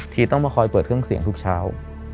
ต้องมาคอยเปิดเครื่องเสียงทุกเช้า